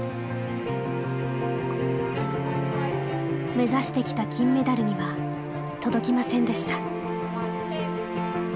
目指してきた金メダルには届きませんでした。